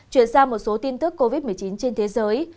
chuyển sang một số tin tức covid một mươi chín trên thế giới